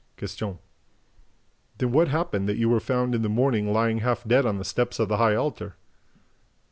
Q. "Then what happened that you were found in the morning lying half dead on the steps of the high altar?"